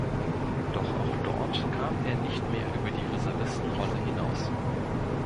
Doch auch dort kam er nicht mehr über die Reservistenrolle hinaus.